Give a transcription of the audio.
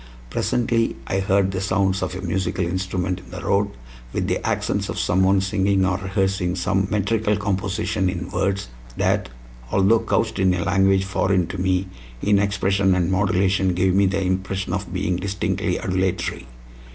Presently I heard the sounds of a musical instrument in the road, with the accents of someone singing or rehearsing some metrical composition in words that, although couched in a language foreign to me, in expression and modulation gave me the impression of being distinctly adulatory.